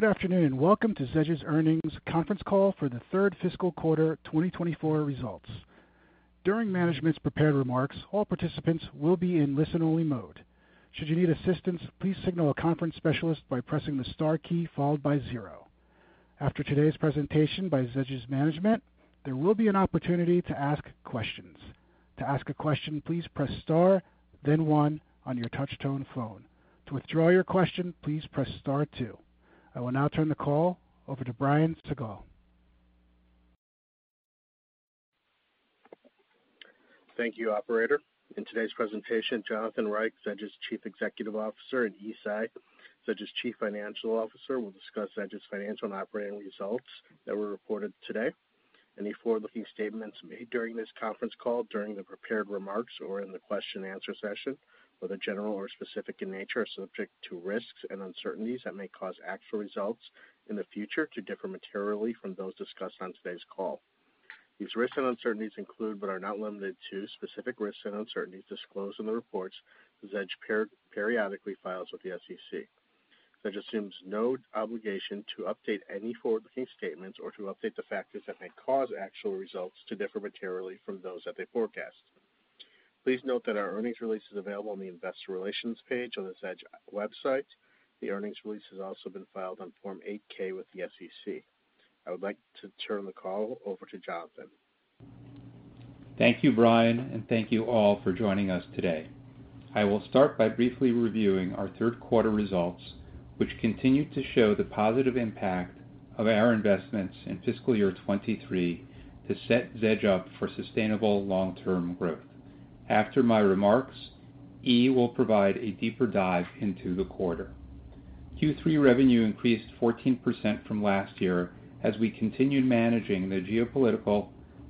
Good afternoon, and welcome to Zedge's Earnings Conference Call for the third fiscal quarter, 2024 results. During management's prepared remarks, all participants will be in listen-only mode. Should you need assistance, please signal a conference specialist by pressing the star key followed by zero. After today's presentation by Zedge's management, there will be an opportunity to ask questions. To ask a question, please press star, then one on your touch-tone phone. To withdraw your question, please press star two. I will now turn the call over to Brian Siegel. Thank you, operator. In today's presentation, Jonathan Reich, Zedge's Chief Executive Officer, and Yi Tsai, Zedge's Chief Financial Officer, will discuss Zedge's financial and operating results that were reported today. Any forward-looking statements made during this conference call, during the prepared remarks, or in the question and answer session, whether general or specific in nature, are subject to risks and uncertainties that may cause actual results in the future to differ materially from those discussed on today's call. These risks and uncertainties include, but are not limited to, specific risks and uncertainties disclosed in the reports Zedge periodically files with the SEC, which assumes no obligation to update any forward-looking statements or to update the factors that may cause actual results to differ materially from those that they forecast. Please note that our earnings release is available on the Investor Relations page on the Zedge website. The earnings release has also been filed on Form 8-K with the SEC. I would like to turn the call over to Jonathan. Thank you, Brian, and thank you all for joining us today. I will start by briefly reviewing our third quarter results, which continue to show the positive impact of our investments in fiscal year 2023 to set Zedge up for sustainable long-term growth. After my remarks, Yi will provide a deeper dive into the quarter. Q3 revenue increased 14% from last year as we continued managing the geopolitical,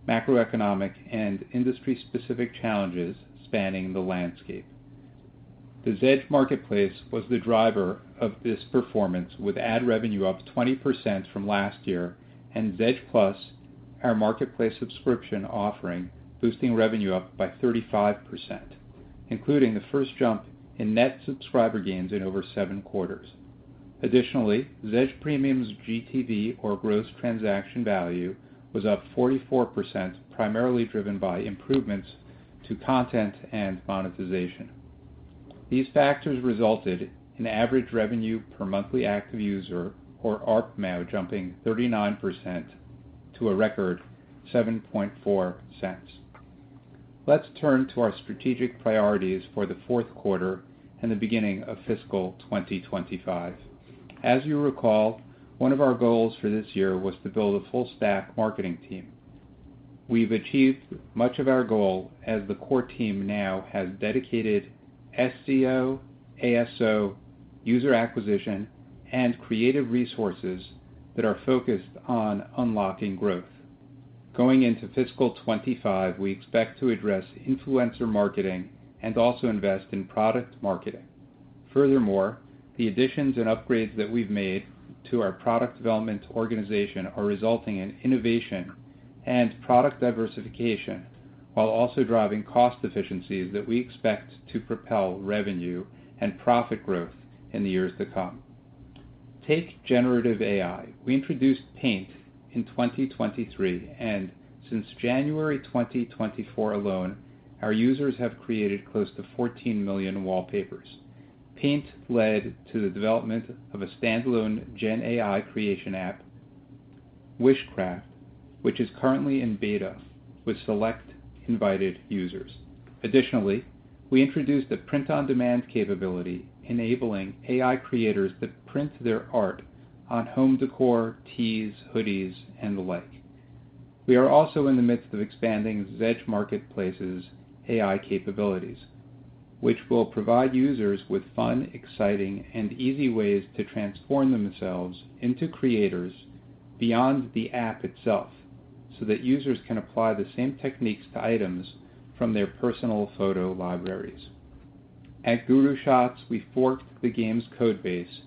macroeconomic, and industry-specific challenges spanning the landscape. The Zedge Marketplace was the driver of this performance, with ad revenue up 20% from last year, and Zedge+, our marketplace subscription offering, boosting revenue up by 35%, including the first jump in net subscriber gains in over 7 quarters. Additionally, Zedge Premium's GTV, or Gross Transaction Value, was up 44%, primarily driven by improvements to content and monetization. These factors resulted in average revenue per monthly active user, or ARPMAU, jumping 39% to a record $0.074. Let's turn to our strategic priorities for the fourth quarter and the beginning of fiscal 2025. As you recall, one of our goals for this year was to build a full stack marketing team. We've achieved much of our goal, as the core team now has dedicated SEO, ASO, user acquisition, and creative resources that are focused on unlocking growth. Going into fiscal 2025, we expect to address influencer marketing and also invest in product marketing. Furthermore, the additions and upgrades that we've made to our product development organization are resulting in innovation and product diversification, while also driving cost efficiencies that we expect to propel revenue and profit growth in the years to come. Take generative AI. We introduced pAInt in 2023, and since January 2024 alone, our users have created close to 14 million wallpapers. pAInt led to the development of a standalone Gen AI creation app, Wishcraft, which is currently in beta with select invited users. Additionally, we introduced a print-on-demand capability, enabling AI creators to print their art on home decor, tees, hoodies, and the like. We are also in the midst of expanding Zedge Marketplace's AI capabilities, which will provide users with fun, exciting, and easy ways to transform themselves into creators beyond the app itself, so that users can apply the same techniques to items from their personal photo libraries. At GuruShots, we forked the game's code base,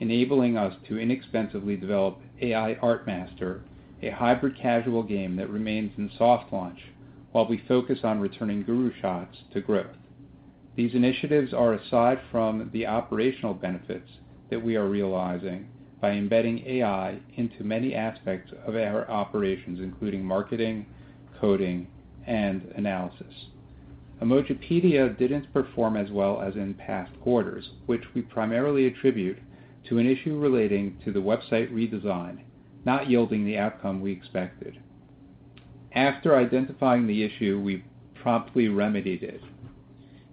enabling us to inexpensively develop AI Art Master, a hybrid casual game that remains in soft launch while we focus on returning GuruShots to growth. These initiatives are aside from the operational benefits that we are realizing by embedding AI into many aspects of our operations, including marketing, coding, and analysis. Emojipedia didn't perform as well as in past quarters, which we primarily attribute to an issue relating to the website redesign, not yielding the outcome we expected. After identifying the issue, we promptly remedied it.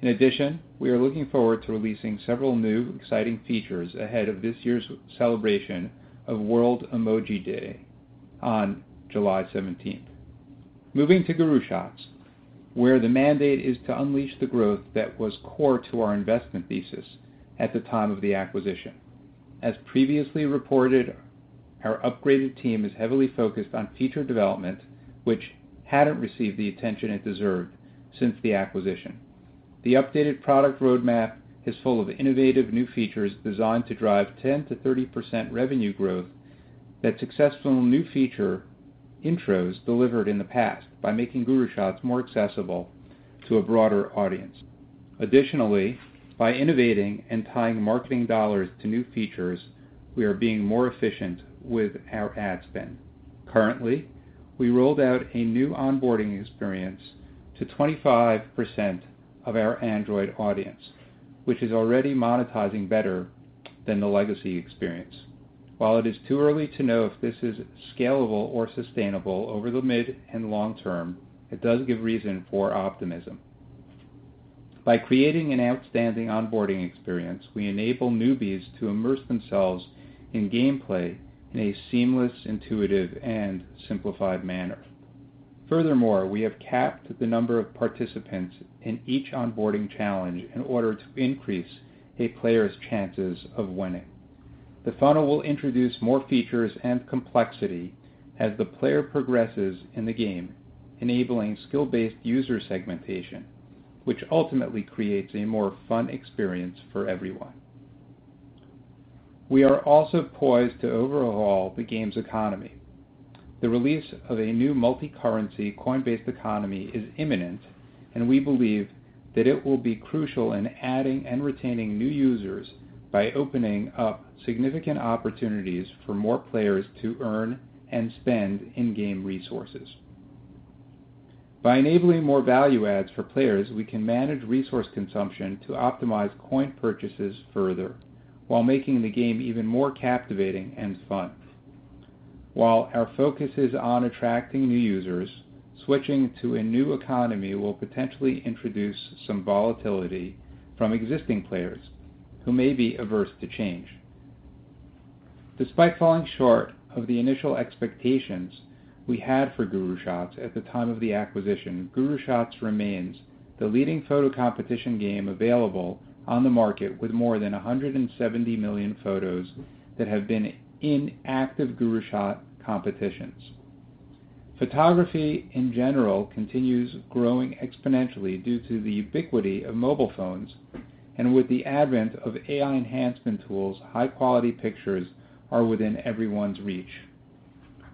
In addition, we are looking forward to releasing several new exciting features ahead of this year's celebration of World Emoji Day on July seventeenth. Moving to GuruShots, where the mandate is to unleash the growth that was core to our investment thesis at the time of the acquisition. As previously reported, our upgraded team is heavily focused on feature development, which hadn't received the attention it deserved since the acquisition. The updated product roadmap is full of innovative new features designed to drive 10%-30% revenue growth. That successful new feature intros delivered in the past by making GuruShots more accessible to a broader audience. Additionally, by innovating and tying marketing dollars to new features, we are being more efficient with our ad spend. Currently, we rolled out a new onboarding experience to 25% of our Android audience, which is already monetizing better than the legacy experience. While it is too early to know if this is scalable or sustainable over the mid and long term, it does give reason for optimism. By creating an outstanding onboarding experience, we enable newbies to immerse themselves in gameplay in a seamless, intuitive, and simplified manner. Furthermore, we have capped the number of participants in each onboarding challenge in order to increase a player's chances of winning. The funnel will introduce more features and complexity as the player progresses in the game, enabling skill-based user segmentation, which ultimately creates a more fun experience for everyone. We are also poised to overhaul the game's economy. The release of a new multicurrency, coin-based economy is imminent, and we believe that it will be crucial in adding and retaining new users by opening up significant opportunities for more players to earn and spend in-game resources. By enabling more value adds for players, we can manage resource consumption to optimize coin purchases further, while making the game even more captivating and fun. While our focus is on attracting new users, switching to a new economy will potentially introduce some volatility from existing players who may be averse to change. Despite falling short of the initial expectations we had for GuruShots at the time of the acquisition, GuruShots remains the leading photo competition game available on the market, with more than 170 million photos that have been in active GuruShots competitions. Photography, in general, continues growing exponentially due to the ubiquity of mobile phones, and with the advent of AI enhancement tools, high-quality pictures are within everyone's reach.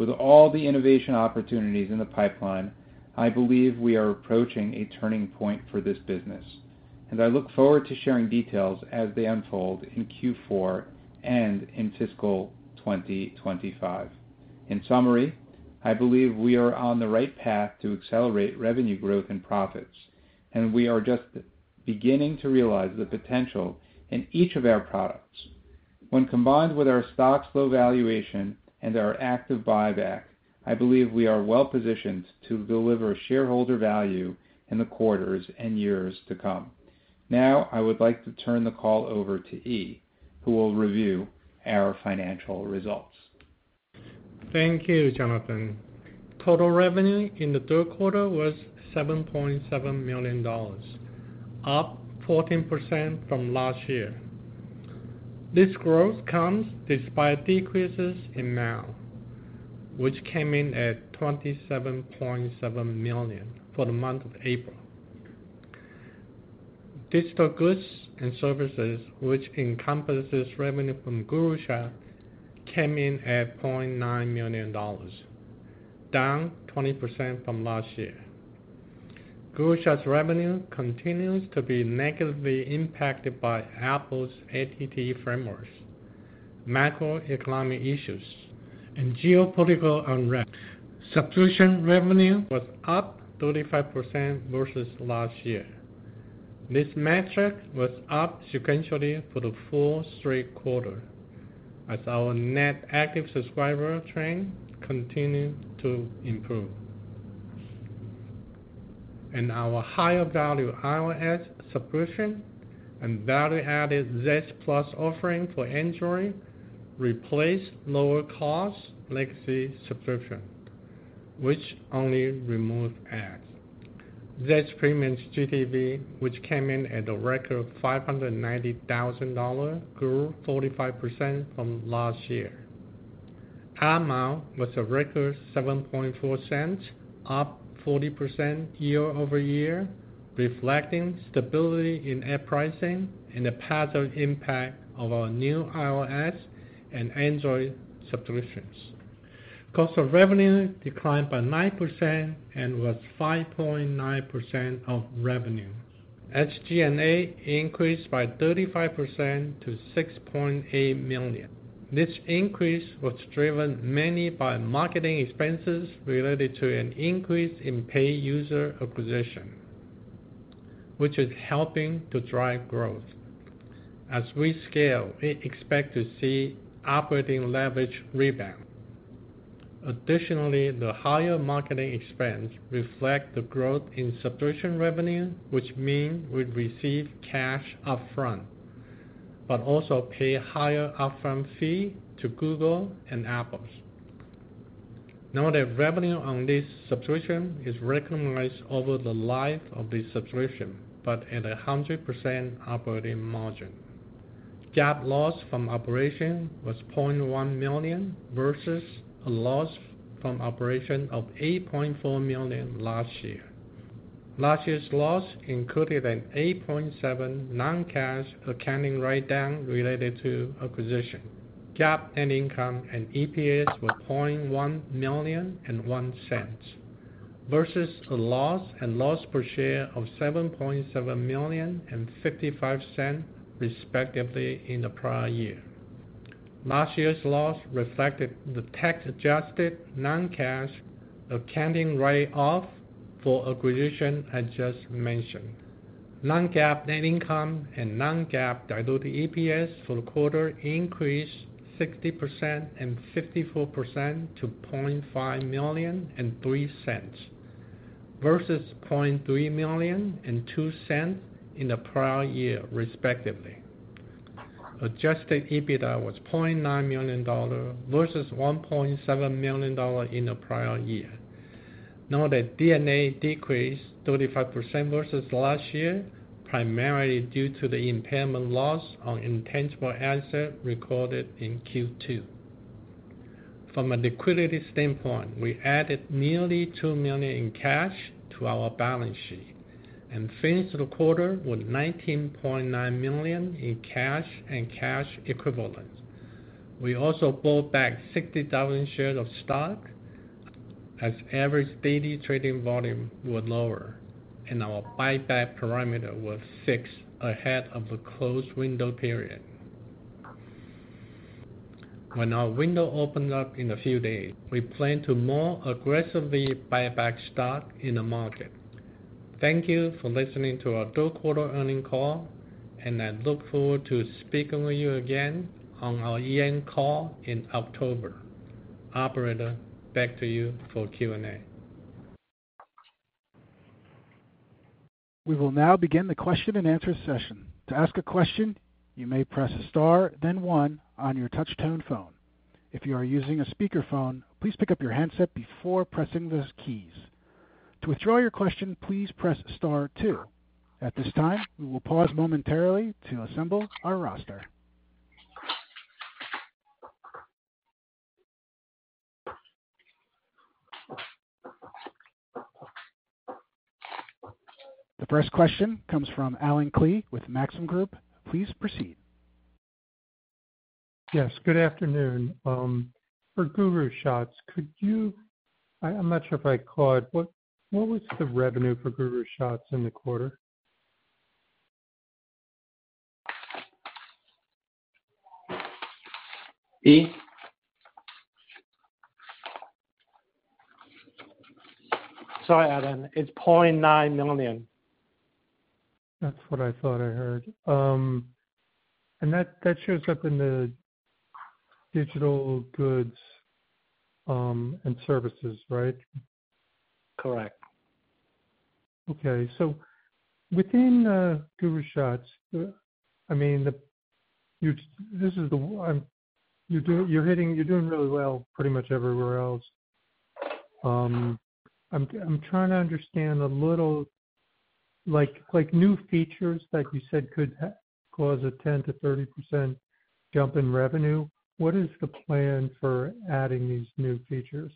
With all the innovation opportunities in the pipeline, I believe we are approaching a turning point for this business, and I look forward to sharing details as they unfold in Q4 and in fiscal 2025. In summary, I believe we are on the right path to accelerate revenue growth and profits, and we are just beginning to realize the potential in each of our products. When combined with our stocks flow valuation and our active buyback, I believe we are well-positioned to deliver shareholder value in the quarters and years to come. Now, I would like to turn the call over to Yi, who will review our financial results. Thank you, Jonathan. Total revenue in the third quarter was $7.7 million, up 14% from last year. This growth comes despite decreases in MAU, which came in at 27.7 million for the month of April. Digital goods and services, which encompasses revenue from GuruShots, came in at $0.9 million, down 20% from last year. GuruShots's revenue continues to be negatively impacted by Apple's ATT frameworks, macroeconomic issues, and geopolitical unrest. Subscription revenue was up 35% versus last year. This metric was up sequentially for the fourth straight quarter as our net active subscriber trend continued to improve. And our higher value iOS subscription and value-added Zedge+ offering for Android replaced lower cost legacy subscription, which only removed ads. Zedge Premium's GTV, which came in at a record $590,000, grew 45% from last year. ARPMAU was a record $0.074, up 40% year-over-year, reflecting stability in ad pricing and the positive impact of our new iOS and Android subscriptions. Cost of revenue declined by 9% and was 5.9% of revenue. SG&A increased by 35% to $6.8 million. This increase was driven mainly by marketing expenses related to an increase in paid user acquisition, which is helping to drive growth. As we scale, we expect to see operating leverage rebound. Additionally, the higher marketing expense reflect the growth in subscription revenue, which mean we receive cash upfront, but also pay a higher upfront fee to Google and Apple. Note that revenue on this subscription is recognized over the life of the subscription, but at 100% operating margin. GAAP loss from operations was $0.1 million, versus a loss from operations of $8.4 million last year. Last year's loss included an $8.7 million non-cash accounting write-down related to acquisition. GAAP net income and EPS were $0.1 million and $0.01, versus a loss and loss per share of $7.7 million and $0.55, respectively, in the prior year. Last year's loss reflected the tax-adjusted non-cash accounting write-off for acquisition I just mentioned. Non-GAAP net income and non-GAAP diluted EPS for the quarter increased 60% and 54% to $0.5 million and $0.03, versus $0.3 million and $0.02 in the prior year, respectively. Adjusted EBITDA was $0.9 million versus $1.7 million in the prior year. Note that D&A decreased 35% versus last year, primarily due to the impairment loss on intangible assets recorded in Q2. From a liquidity standpoint, we added nearly $2 million in cash to our balance sheet and finished the quarter with $19.9 million in cash and cash equivalents. We also bought back 60,000 shares of stock as average daily trading volume was lower, and our buyback parameter was fixed ahead of the closed window period. When our window opens up in a few days, we plan to more aggressively buy back stock in the market. Thank you for listening to our third quarter earnings call, and I look forward to speaking with you again on our year-end call in October. Operator, back to you for Q&A. We will now begin the question and answer session. To ask a question, you may press star, then one on your touchtone phone. If you are using a speakerphone, please pick up your handset before pressing those keys. To withdraw your question, please press star two. At this time, we will pause momentarily to assemble our roster. The first question comes from Allen Klee with Maxim Group. Please proceed. Yes, good afternoon. For GuruShots, could you, I, I'm not sure if I caught, what, what was the revenue for GuruShots in the quarter? Sorry, Alan, it's $0.9 million. That's what I thought I heard. And that shows up in the digital goods and services, right? Correct. Okay. So within GuruShots, I mean, this is the one you're doing, you're hitting, you're doing really well pretty much everywhere else. I'm trying to understand a little, like, new features that you said could cause a 10%-30% jump in revenue. What is the plan for adding these new features?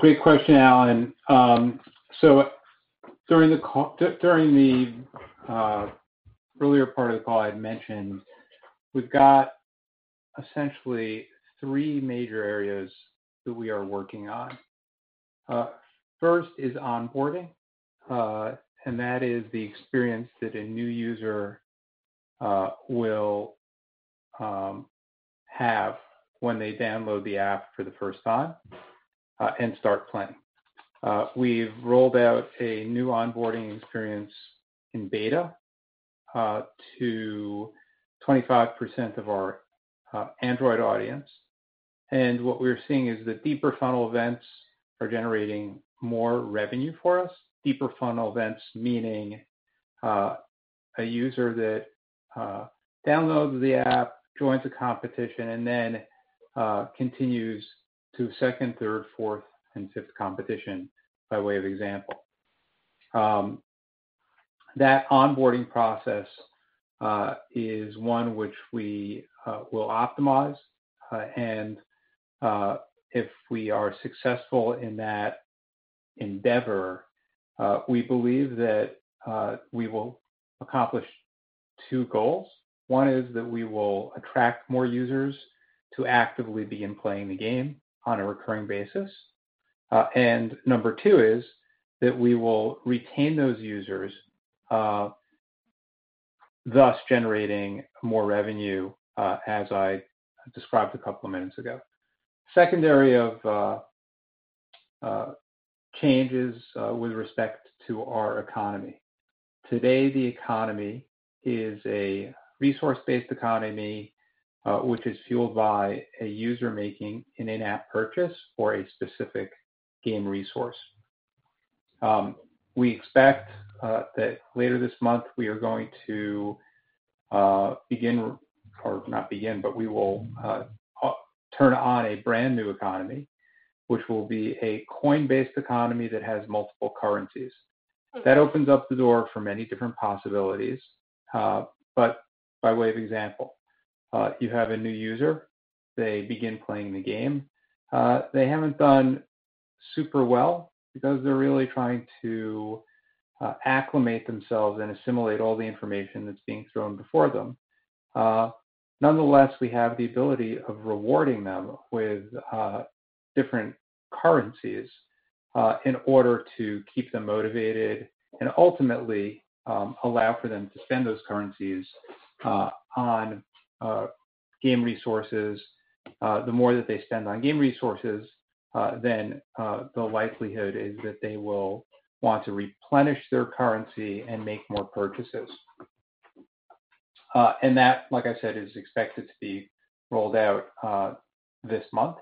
Great question, Alan. So during the earlier part of the call, I'd mentioned we've got essentially three major areas that we are working on. First is onboarding, and that is the experience that a new user will have when they download the app for the first time, and start playing. We've rolled out a new onboarding experience in beta to 25% of our Android audience, and what we're seeing is that deeper funnel events are generating more revenue for us. Deeper funnel events, meaning a user that downloads the app, joins a competition, and then continues to second, third, fourth, and fifth competition, by way of example. That onboarding process is one which we will optimize, and if we are successful in that endeavor, we believe that we will accomplish two goals. One is that we will attract more users to actively begin playing the game on a recurring basis. And number two is that we will retain those users, thus generating more revenue, as I described a couple of minutes ago. Secondary of changes with respect to our economy. Today, the economy is a resource-based economy, which is fueled by a user making an in-app purchase for a specific game resource. We expect that later this month, we are going to begin, or not begin, but we will turn on a brand-new economy, which will be a coin-based economy that has multiple currencies. That opens up the door for many different possibilities, but by way of example, you have a new user, they begin playing the game. They haven't done super well because they're really trying to acclimate themselves and assimilate all the information that's being thrown before them. Nonetheless, we have the ability of rewarding them with different currencies in order to keep them motivated and ultimately allow for them to spend those currencies on game resources. The more that they spend on game resources, then the likelihood is that they will want to replenish their currency and make more purchases. And that, like I said, is expected to be rolled out this month.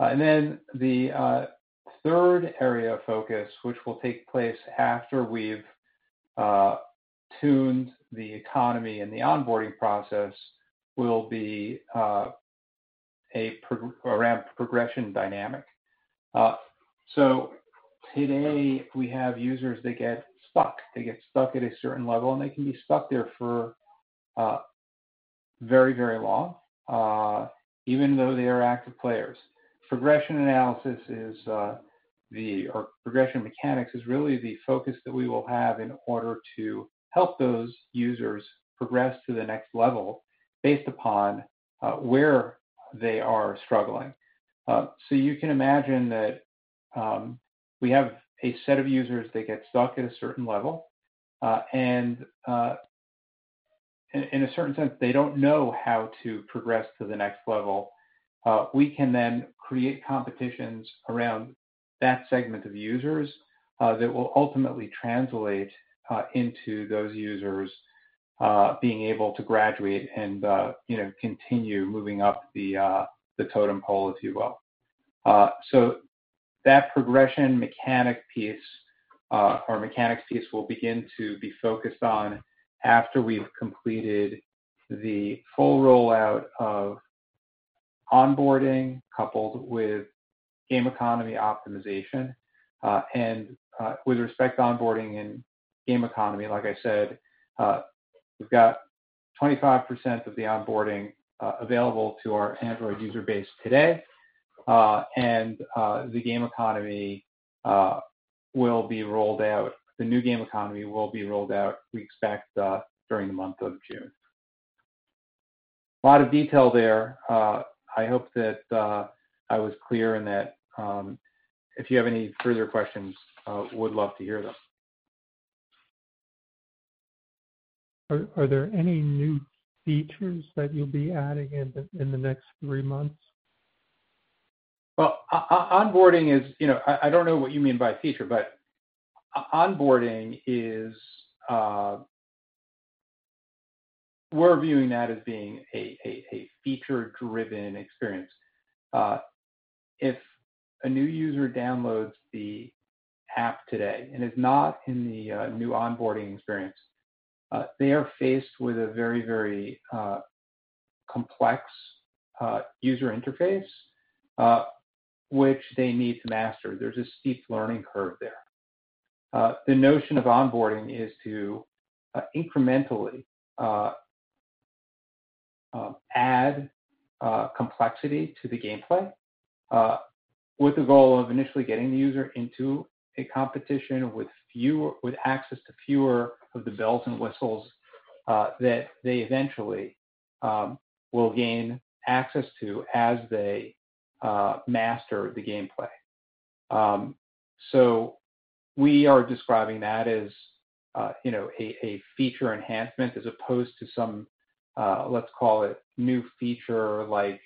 And then the third area of focus, which will take place after we've tuned the economy and the onboarding process, will be a progression dynamic. So today, we have users that get stuck. They get stuck at a certain level, and they can be stuck there for very, very long even though they are active players. Progression analysis or progression mechanics is really the focus that we will have in order to help those users progress to the next level based upon where they are struggling. So you can imagine that we have a set of users that get stuck at a certain level, and in a certain sense, they don't know how to progress to the next level. We can then create competitions around that segment of users that will ultimately translate into those users being able to graduate and, you know, continue moving up the totem pole, if you will. So that progression mechanic piece, or mechanics piece, will begin to be focused on after we've completed the full rollout of onboarding, coupled with game economy optimization. And with respect to onboarding and game economy, like I said, we've got 25% of the onboarding available to our Android user base today. And the game economy will be rolled out. The new game economy will be rolled out, we expect, during the month of June. A lot of detail there. I hope that I was clear in that. If you have any further questions, would love to hear them. Are there any new features that you'll be adding in the next three months? Well, onboarding is... You know, I don't know what you mean by feature, but onboarding is, we're viewing that as being a feature-driven experience. If a new user downloads the app today and is not in the new onboarding experience, they are faced with a very, very complex user interface, which they need to master. There's a steep learning curve there. The notion of onboarding is to incrementally add complexity to the gameplay, with the goal of initially getting the user into a competition with access to fewer of the bells and whistles that they eventually will gain access to as they master the gameplay. So we are describing that as, you know, a feature enhancement as opposed to some, let's call it, new feature, like,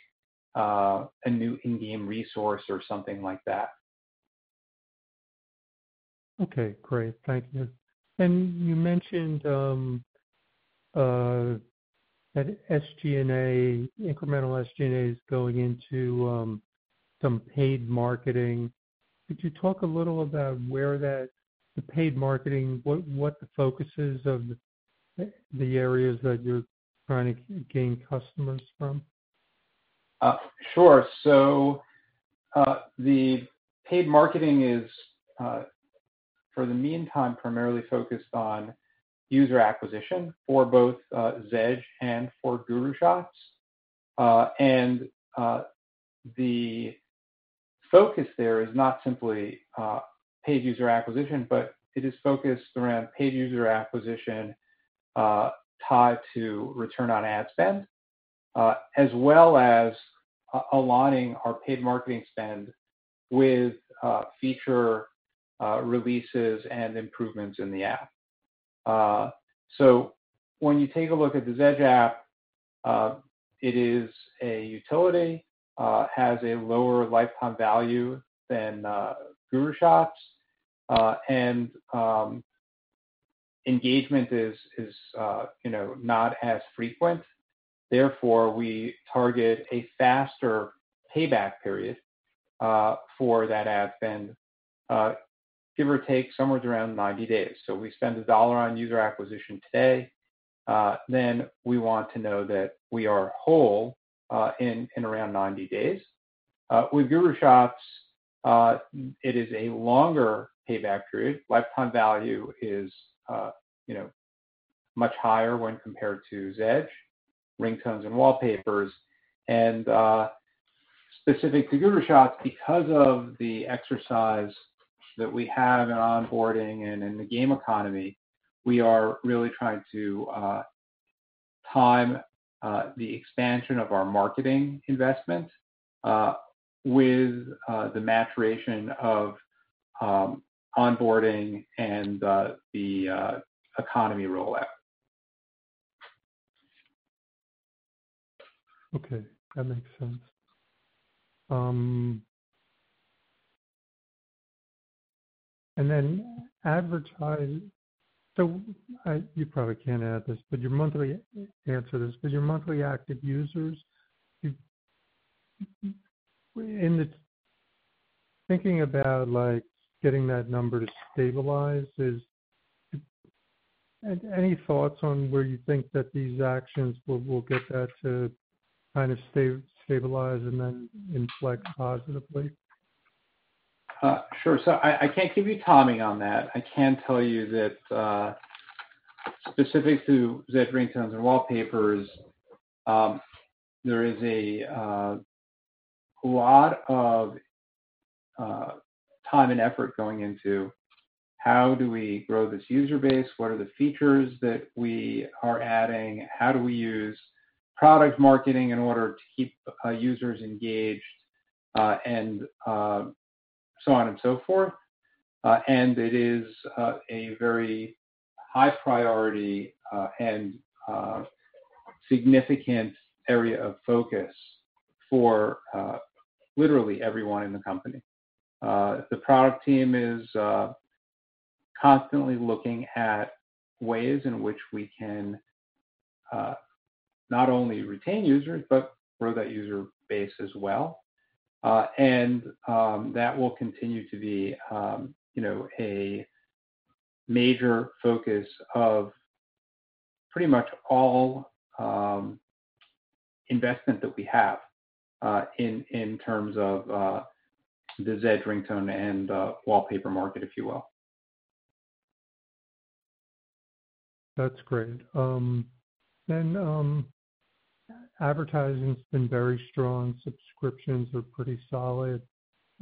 a new in-game resource or something like that. Okay, great. Thank you. You mentioned that SG&A, incremental SG&A is going into some paid marketing. Could you talk a little about where that, the paid marketing, what the focus is of the areas that you're trying to gain customers from? Sure. So, the paid marketing is, for the meantime, primarily focused on user acquisition for both, Zedge and for GuruShots. And, the focus there is not simply, paid user acquisition, but it is focused around paid user acquisition, tied to return on ad spend, as well as aligning our paid marketing spend with, feature, releases and improvements in the app. So when you take a look at the Zedge app, it is a utility, has a lower lifetime value than, GuruShots. And, engagement is, you know, not as frequent. Therefore, we target a faster payback period, for that ad spend, give or take, somewhere around 90 days. So we spend $1 on user acquisition today, then we want to know that we are whole in around 90 days. With GuruShots, it is a longer payback period. Lifetime value is, you know, much higher when compared to Zedge Ringtones and Wallpapers. Specific to GuruShots, because of the exercise that we have in onboarding and in the game economy, we are really trying to time the expansion of our marketing investment with the maturation of onboarding and the economy rollout. Okay, that makes sense. And then, so I—you probably can't answer this, but your monthly active users, and it's thinking about, like, getting that number to stabilize, is it? And any thoughts on where you think that these actions will get that to kind of stabilize and then inflect positively? Sure. So I, I can't give you timing on that. I can tell you that, specific to Zedge Ringtones and Wallpapers, there is a lot of time and effort going into how do we grow this user base? What are the features that we are adding? How do we use product marketing in order to keep users engaged, and so on and so forth. It is a very high priority, and significant area of focus for literally everyone in the company. The product team is constantly looking at ways in which we can not only retain users, but grow that user base as well. That will continue to be, you know, a major focus of pretty much all investment that we have in terms of the Zedge ringtone and wallpaper market, if you will. That's great. Then, advertising's been very strong. Subscriptions are pretty solid.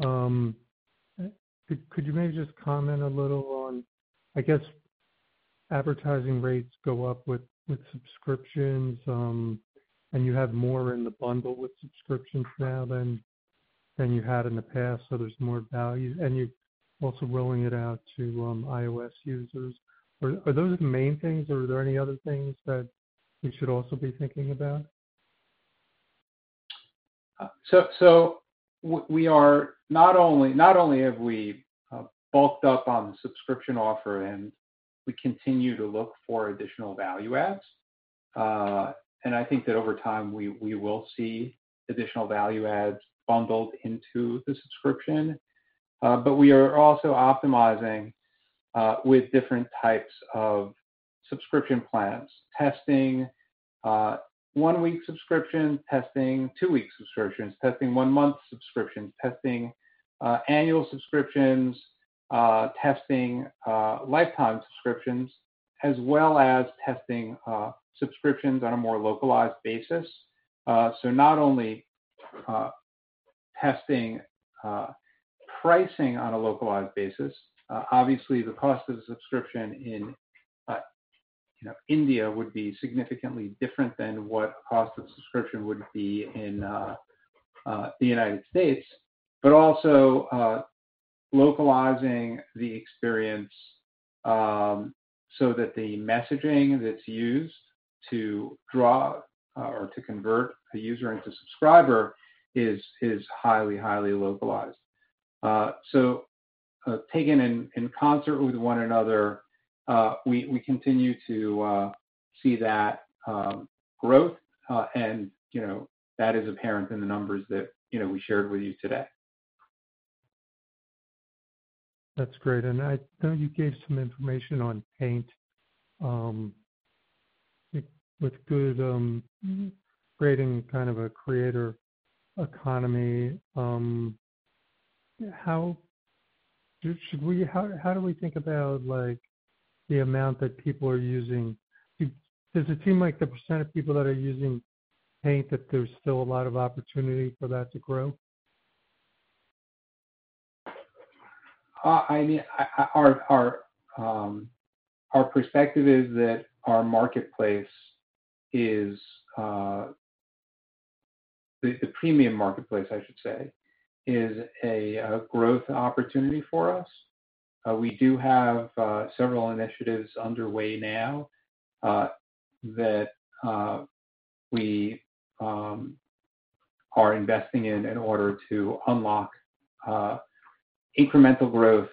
Could you maybe just comment a little on... I guess, advertising rates go up with subscriptions, and you have more in the bundle with subscriptions now than you had in the past, so there's more value, and you're also rolling it out to iOS users. Are those the main things, or are there any other things that we should also be thinking about? So, so we are not only, not only have we bulked up on the subscription offer and we continue to look for additional value adds, and I think that over time, we, we will see additional value adds bundled into the subscription. But we are also optimizing with different types of subscription plans, testing one-week subscription, testing two-week subscriptions, testing one-month subscriptions, testing annual subscriptions, testing lifetime subscriptions, as well as testing subscriptions on a more localized basis. So not only testing pricing on a localized basis, obviously, the cost of the subscription in, you know, India would be significantly different than what cost of the subscription would be in the United States. But also, localizing the experience, so that the messaging that's used to draw, or to convert a user into subscriber is, is highly, highly localized. So, taken in, in concert with one another, we, we continue to see that growth, and, you know, that is apparent in the numbers that, you know, we shared with you today. That's great. And I know you gave some information on pAInt. It looks good, creating kind of a creator economy. How do we think about, like, the amount that people are using? Does it seem like the percent of people that are using pAInt, that there's still a lot of opportunity for that to grow? I mean, our perspective is that our marketplace is the premium marketplace, I should say, is a growth opportunity for us. We do have several initiatives underway now that we are investing in in order to unlock incremental growth.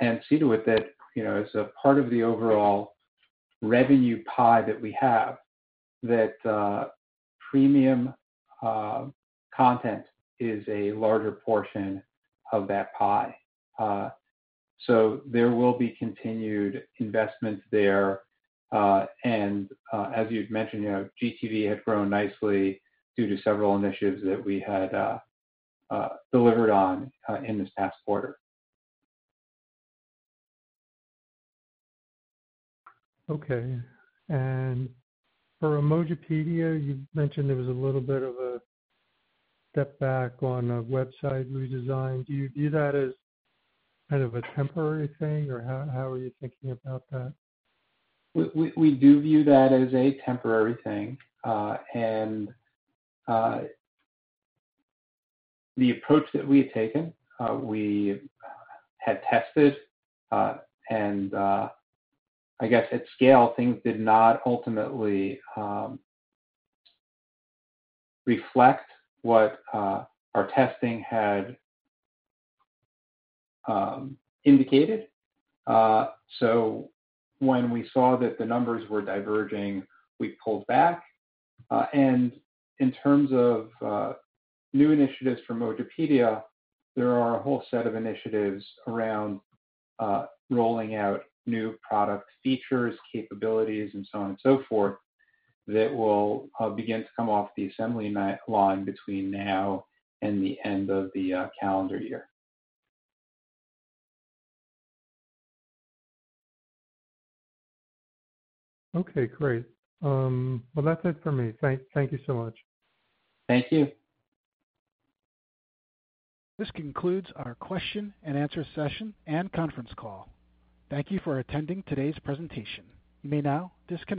And see to it that, you know, as a part of the overall revenue pie that we have, that premium content is a larger portion of that pie. So there will be continued investments there. And as you've mentioned, you know, GTV had grown nicely due to several initiatives that we had delivered on in this past quarter. Okay. For Emojipedia, you mentioned there was a little bit of a step back on a website redesign. Do you view that as kind of a temporary thing, or how, how are you thinking about that? We do view that as a temporary thing. And the approach that we had taken, we had tested, and I guess at scale, things did not ultimately reflect what our testing had indicated. So when we saw that the numbers were diverging, we pulled back. And in terms of new initiatives for Emojipedia, there are a whole set of initiatives around rolling out new product features, capabilities, and so on and so forth, that will begin to come off the assembly line between now and the end of the calendar year. Okay, great. Well, that's it for me. Thank you so much. Thank you. This concludes our question and answer session and conference call. Thank you for attending today's presentation. You may now disconnect.